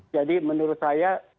jadi menurut saya